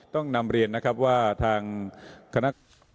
ต้องนำเรียนว่าทางคณะ